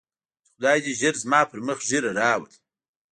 چې خداى دې ژر زما پر مخ ږيره راولي.